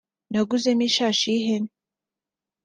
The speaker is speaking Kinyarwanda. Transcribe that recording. naguze mo ishashi y’ihene